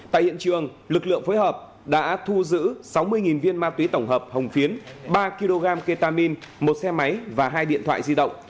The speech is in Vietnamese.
tại hiện trường lực lượng phối hợp đã thu giữ sáu mươi viên ma túy tổng hợp hồng phiến ba kg ketamin một xe máy và hai điện thoại di động